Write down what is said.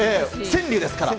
川柳ですから。